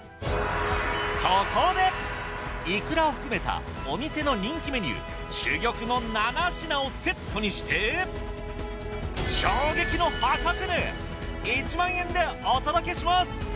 そこでいくらを含めたお店の人気メニュー珠玉の７品をセットにして衝撃の破格値１万円でお届けします。